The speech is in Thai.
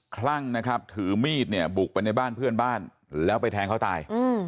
คลั่งนะครับถือมีดเนี่ยบุกไปในบ้านเพื่อนบ้านแล้วไปแทงเขาตาย